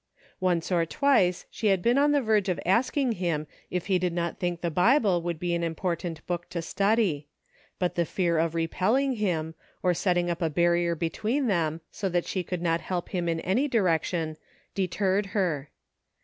Once or twice she had been on the verge of ask ing him if he did not think the Bible would be an l60 SAGE CONCLUSIONS. important book to study ; but the fear of repelling him, of setting up a barrier between them, so that she could not help him in any direction, deterred her.